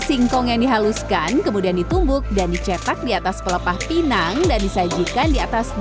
singkong yang dihaluskan kemudian ditumbuk dan dicetak di atas pelepah pinang dan disajikan di atas